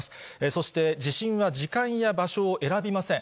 そして、地震は時間や場所を選びません。